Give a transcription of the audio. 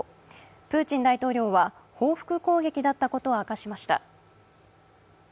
プーチン大統領は報復攻撃だったことを明かしました。